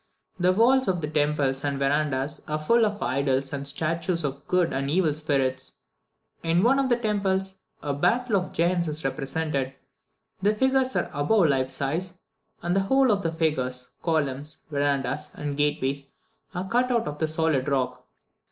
The walls of the temples and verandahs are full of idols and statues of good and evil spirits. In one of the temples, a battle of giants is represented. The figures are above life size, and the whole of the figures, columns, verandahs and gateways, are cut out of the solid rock.